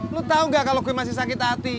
lo tau gak kalau gue masih sakit hati